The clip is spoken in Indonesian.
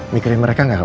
mikirin mereka gak om